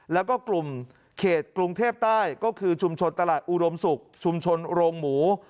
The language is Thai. แล้วก็กลุ่มเขตกรุงเทพใต้ก็คือชุมชนตลาดอุดมศุกร์ชุมชนโรงหมู